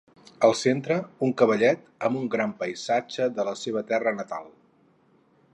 Al centre, un cavallet amb un gran paisatge de la seva terra natal.